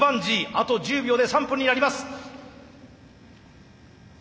あと１０秒で３分になります。